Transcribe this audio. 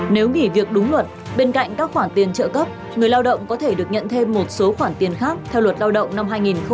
nếu nghỉ việc đúng luật bên cạnh các khoản tiền trợ cấp người lao động có thể được nhận thêm một số khoản tiền khác theo luật lao động năm hai nghìn một mươi chín